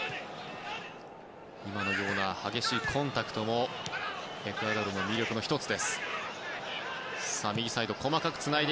今のような激しいコンタクトもエクアドルの魅力の１つ。